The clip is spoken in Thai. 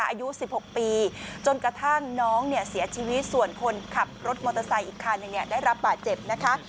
อายุ๑๖ปีจนกระทั่งน้องเนี่ยเสียชีวิตส่วนคนขับรถมอเตอร์ไซค์อีกคันหนึ่งได้รับบาดเจ็บนะคะ